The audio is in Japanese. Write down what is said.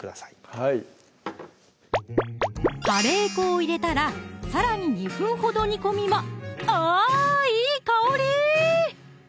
はいカレー粉を入れたらさらに２分ほど煮込みまあいい香り！